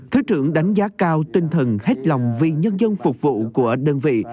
thứ trưởng đánh giá cao tinh thần hết lòng vì nhân dân phục vụ của đơn vị